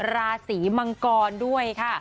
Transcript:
ราศีมังกรด้วยค่ะ